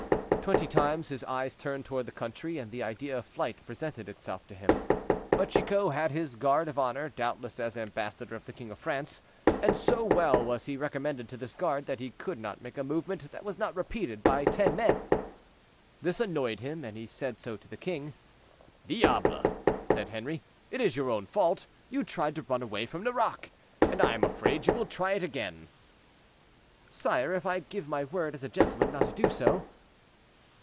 Twenty times his eyes turned toward the country, and the idea of flight presented itself to him. But Chicot had his guard of honor, doubtless as ambassador of the king of France, and so well was he recommended to this guard, that he could not make a movement that was not repeated by ten men. This annoyed him, and he said so to the king. "Diable!" said Henri, "it is your own fault; you tried to run away from Nerac, and I am afraid you will try it again." "Sire, if I give my word as a gentleman not to do so?"